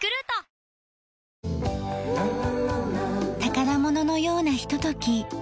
宝物のようなひととき。